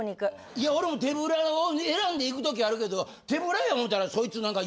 いや俺も手ぶらを選んで行く時あるけど手ぶらや思ったらそいつ何か。